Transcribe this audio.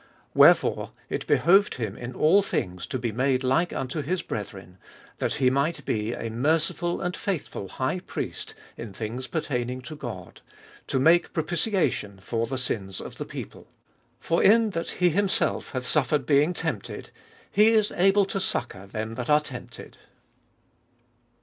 17. Wherefore it behoved him In all things to be made like unto his brethren, that he might be1 a merciful and faithful high priest in things pertaining to God, to make propitiation for the sins of the people. 18. For in that he himself hath suffered being tempted, he is able to suc cour them that are tempted.